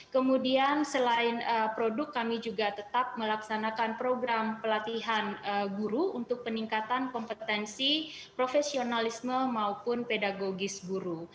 kemudian selain produk kami juga tetap melaksanakan program pelatihan guru untuk peningkatan kompetensi profesionalisme maupun pedagogis guru